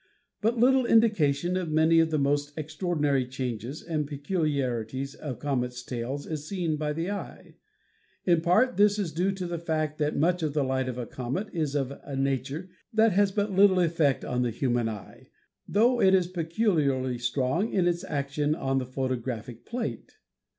But little indication of many of the most extraordinary changes and peculiari ties of comets' tails is seen by the eye. In part this is INTRODUCTION xiii due to the fact that much of the light of a comet is of a nature that has but little effect on the human eye, though it is peculiarly strong in its action on the photographic plate.